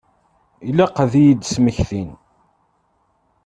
Ilaq ad iyi-d-smektin.